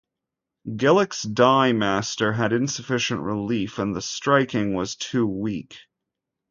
Gillick's die master had insufficient relief, and the striking was too weak.